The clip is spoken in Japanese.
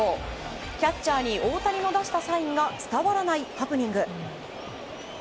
キャッチャーに、大谷の出したサインが伝わらないハプニング。